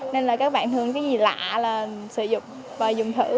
nên là các bạn thường cái gì lạ là sử dụng và dùng thử